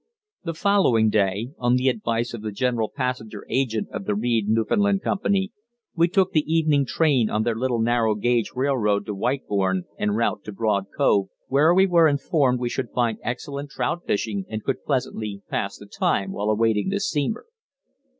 The following day, on the advice of the general passenger agent of the Reid Newfoundland Company, we took the evening train on their little narrow gauge railroad to Whitbourne, en route to Broad Cove, where we were informed we should find excellent trout fishing and could pleasantly pass the time while awaiting the steamer.